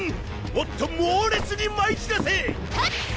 もっと猛烈にまいちらせ！